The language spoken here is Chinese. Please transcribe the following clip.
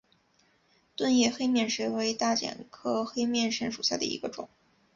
钝叶黑面神为大戟科黑面神属下的一个种。